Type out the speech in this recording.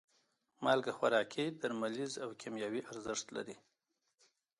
مالګه خوراکي، درملیز او کیمیاوي ارزښت لري.